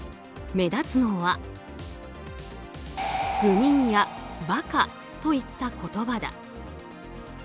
目立つのは「愚民」や「馬鹿」といった言葉だ。